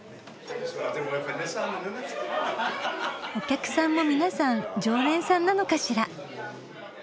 お客さんも皆さん常連さんなのかしら？